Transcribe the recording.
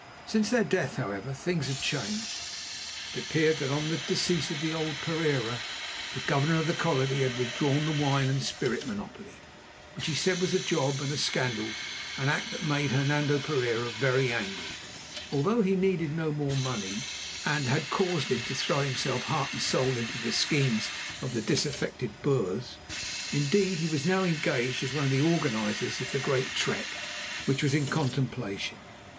Since their death, however, things had changed. It appeared that on the decease of old Pereira the Governor of the Colony had withdrawn the wine and spirit monopoly, which he said was a job and a scandal, an act that made Hernando Pereira very angry, although he needed no more money, and had caused him to throw himself heart and soul into the schemes of the disaffected Boers. Indeed, he was now engaged as one of the organisers of the Great Trek which was in contemplation.